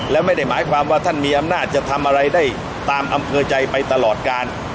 และไม่ได้หมายความว่าท่านมีอำนาจจะทำอะไรได้ตามอำเภอใจไปตลอดการ